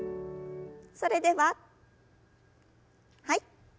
それでははい。